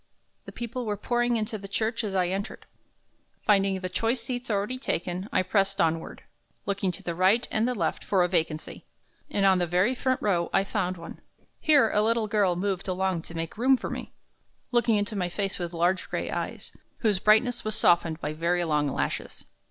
The people were pouring into the church as I entered. Finding the choice seats already taken, I pressed onward, looking to the right and the left for a vacancy, and on the very front row I found one. Here a little girl moved along to make room for me, looking into my face with large gray eyes, whose brightness was softened by very long lashes.